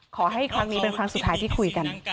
ขอให้ครั้งนี้เป็นครั้งสุดท้ายที่คุยกัน